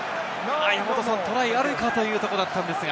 トライあるかというところだったんですが。